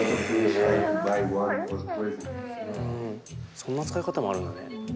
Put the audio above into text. そんな使い方もあるんだね。